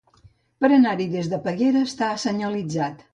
Per anar-hi des de Peguera està senyalitzat.